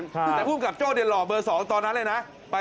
แต่ภูมิกับโจ้เนี่ยหล่อเบอร์๒ตอนนั้นเลยนะ